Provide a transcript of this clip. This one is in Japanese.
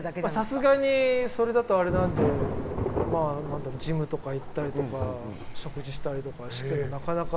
さすがにそれだとあれなんでジムとか行ったりとか食事したりとか。